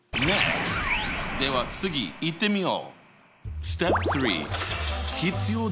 では次いってみよう！